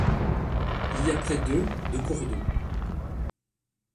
Il y a près de de cours d'eau.